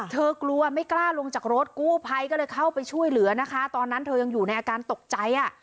กลัวไม่กล้าลงจากรถกู้ภัยก็เลยเข้าไปช่วยเหลือนะคะตอนนั้นเธอยังอยู่ในอาการตกใจอ่ะ